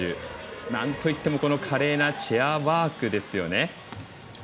なんといっても華麗なチェアワークですよね。